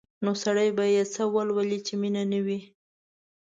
نو سړی به یې څه ولولي چې مینه نه وي؟